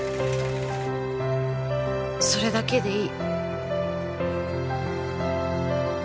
それだけでいい